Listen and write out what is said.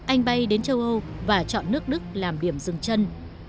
anh bay đến châu âu và chọn nước đức làm điểm dừng chân